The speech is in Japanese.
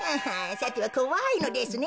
さてはこわいのですね